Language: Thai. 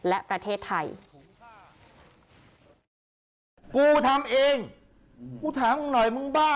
และประเทศไทย